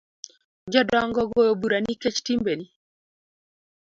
Jodongo ogoyo bura nikech timbeni